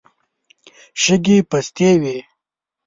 شګې پستې وې.